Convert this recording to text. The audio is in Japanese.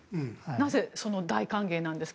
なぜ大歓迎なんですか？